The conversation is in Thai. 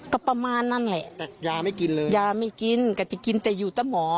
ก็ประมาณนั้นแหละแต่ยาไม่กินเลยยาไม่กินก็จะกินแต่อยู่แต่หมอ